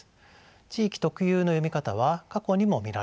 地域特有の読み方は過去にも見られます。